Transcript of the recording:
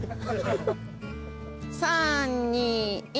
３２１。